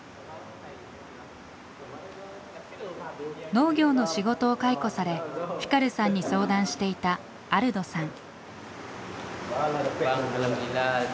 農業の仕事を解雇されフィカルさんに相談していたアルドさん。